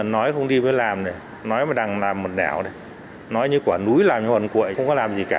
nói không đi mới làm nói mà đang làm một nẻo nói như quả núi làm như hoàn quậy không có làm gì cả